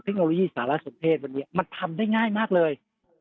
เทคโนโลยีสารสนเทศวันนี้มันทำได้ง่ายมากเลย